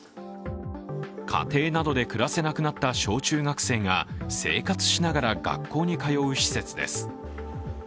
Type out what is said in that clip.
家庭などで暮らせなくなった小中学生が生活しながら学校に通う施設です。